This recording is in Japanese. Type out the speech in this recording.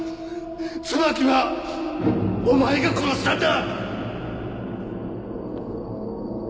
椿はお前が殺したんだ！